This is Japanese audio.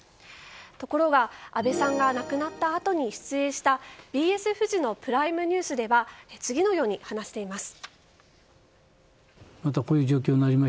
ところが、安倍さんが亡くなったあとに出演したＢＳフジの「プライムニュース」では次のように話しています。